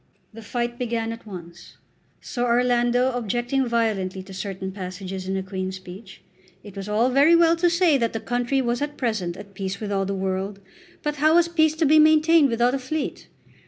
The fight began at once, Sir Orlando objecting violently to certain passages in the Queen's Speech. It was all very well to say that the country was at present at peace with all the world; but how was peace to be maintained without a fleet?